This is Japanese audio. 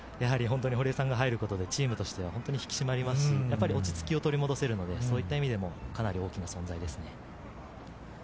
堀江さんが入ることでチームとしては引き締まりますし、落ち着きを取り戻せるので、そういった意味でもかなり大きな存在ですね。